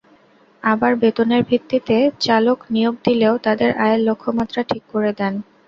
আবার বেতনের ভিত্তিতে চালক নিয়োগ দিলেও তাঁদের আয়ের লক্ষ্যমাত্রা ঠিক করে দেন।